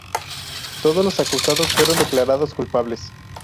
Todos los acusados fueron declarados culpables.